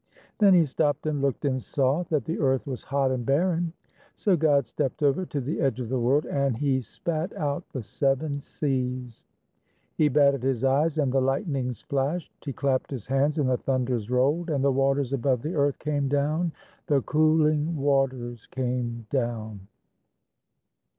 Then He stopped and looked and saw That the earth was hot and barren. So God stepped over to the edge of the world And He spat out the seven seas; He batted His eyes, and the lightnings flashed; He clapped His hands, and the thunders rolled; And the waters above the earth came down, The cooling waters came down.